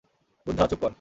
বুদ্ধা, চুপ কর!